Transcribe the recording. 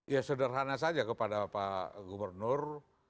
ya sederhana saja kepada pak gubernur